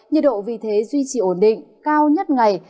nhiệt độ vì thế duy trì ổn định cao nhất ngày